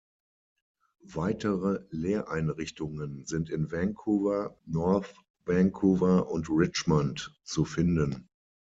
Weitere Lehreinrichtungen sind in Vancouver, North Vancouver und Richmond zu finden.